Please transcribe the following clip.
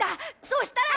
そうしたら。